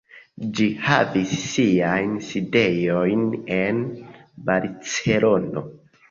Ĝi havis sian sidejon en Barcelono.